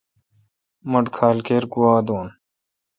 مٹھ کھال کیر گوا دو۔